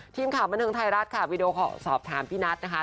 ทีมข่าวบันเทิงไทยรัฐค่ะวีดีโอสอบถามพี่นัทนะคะ